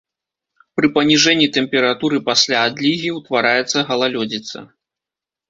Пры паніжэнні тэмпературы пасля адлігі ўтвараецца галалёдзіца.